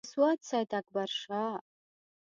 د سوات سیداکبرشاه.